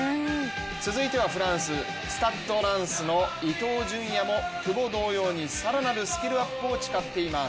続いてはフランススタッド・ランスの伊東純也も久保同様に更なるスキルアップを誓っています。